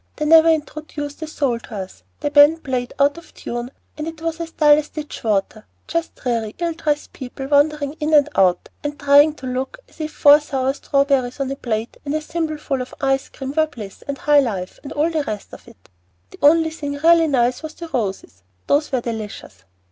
They never introduced a soul to us, the band played out of tune, it was as dull as ditch water, just dreary, ill dressed people wandering in and out, and trying to look as if five sour strawberries on a plate, and a thimbleful of ice cream were bliss and high life and all the rest of it. The only thing really nice was the roses; those were delicious.